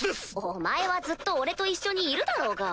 お前はずっと俺と一緒にいるだろうが。